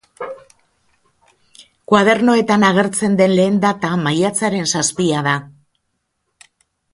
Koadernoetan agertzen den lehen data maiatzaren zazpia da.